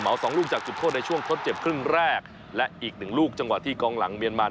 สองลูกจากจุดโทษในช่วงทดเจ็บครึ่งแรกและอีกหนึ่งลูกจังหวะที่กองหลังเมียนมาน